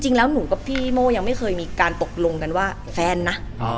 หนูกับพี่โม่ยังไม่เคยมีการตกลงกันว่าแฟนนะ